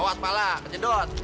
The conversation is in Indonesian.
awas pala kecedot